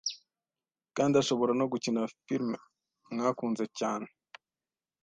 kandi ashobora no gukina filme mwakunze cyane